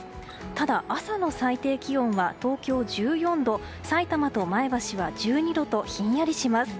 ただ朝の最低気温は東京、１４度さいたまと前橋は１２度とひんやりします。